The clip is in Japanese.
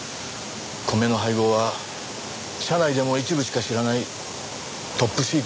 米の配合は社内でも一部しか知らないトップシークレットでしたから。